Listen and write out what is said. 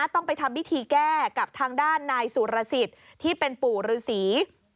ต้องไปทำพิธีแก้กับทางด้านนายสุรสิทธิ์ที่เป็นปู่ฤษี